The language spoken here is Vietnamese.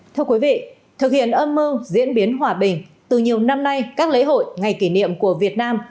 thưa quý vị thực hiện âm mưu diễn biến hòa bình từ nhiều năm nay các lễ hội ngày kỷ niệm của việt nam